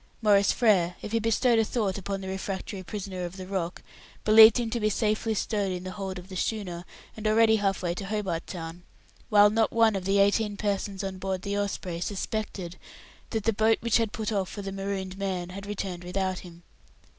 Maurice Frere, if he bestowed a thought upon the refractory prisoner of the Rock, believed him to be safely stowed in the hold of the schooner, and already half way to Hobart Town; while not one of the eighteen persons on board the Osprey suspected that the boat which had put off for the marooned man had returned without him.